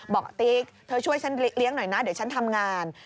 บอกติ๊กเธอช่วยฉันเลี้ยงหน่อยนะเดี๋ยวฉันทำงาน